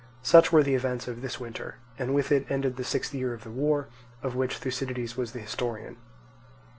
Such were the events of this winter; and with it ended the sixth year of this war, of which Thucydides was the historian.